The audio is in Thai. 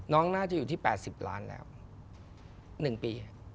น่าจะอยู่ที่๘๐ล้านแล้ว๑ปี